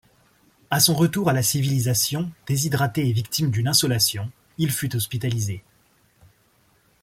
À son retour à la civilisation, déshydraté et victime d'une insolation, il fut hospitalisé.